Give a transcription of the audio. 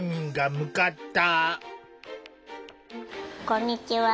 こんにちは。